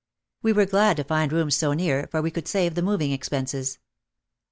We were glad to find rooms so near, for we could save the moving expenses.